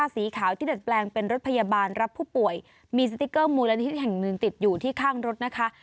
สีขาวที่ดัดแปลงเป็นรถพยาบาลรับผู้ป่วยมีสติ๊กเกอร์มูลนิธิแห่งหนึ่งติดอยู่ที่ข้างรถนะคะ